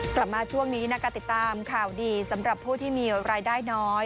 กลับมาช่วงนี้นะคะติดตามข่าวดีสำหรับผู้ที่มีรายได้น้อย